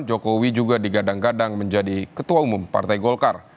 jokowi juga digadang gadang menjadi ketua umum partai golkar